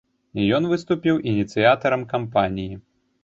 Ён выступіў ініцыятарам кампаніі.